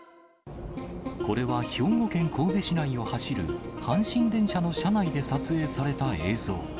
これは兵庫県神戸市内を走る阪神電車の車内で撮影された映像。